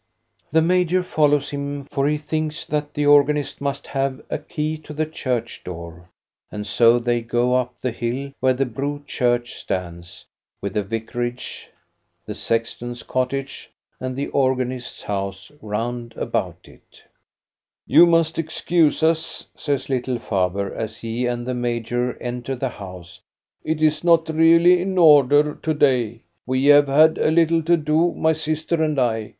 The major follows him, for he thinks that the THE GREAT BEAR IN GURLITTA CLIFF 131 organist must haVe a key to the church door ; and so they go up the hill, where the Bro church stands, with the vicarage, the sexton's cottage and the organist's house round about it " You must excuse us," says little Faber, as he and the major enter the house. " It is not really in order to day. We have had a little to do, my sister and I.